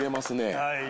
はい。